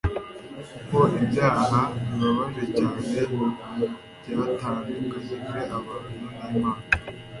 kuko ibyaha bibabaje cyane byatandukanyije abantu nImana